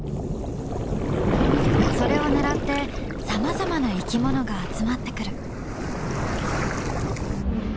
それを狙ってさまざまな生き物が集まってくる。